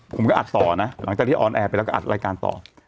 ผมก็อัดต่อนะหลังจากที่ออนแอร์ไปแล้วก็อัดรายการต่อ